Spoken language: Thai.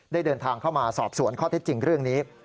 เดินทางเข้ามาสอบสวนข้อเท็จจริงเรื่องนี้